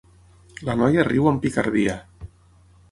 La noia riu amb picardia.